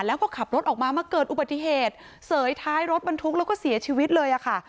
แล้วก็ขับรถออกมามาเกิดอุบัติเหตุเสยท้ายรถบรรทุกแล้วก็เสียชีวิตเลยค่ะ